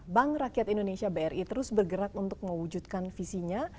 bank rakyat indonesia bri terus bergerak untuk mewujudkan visinya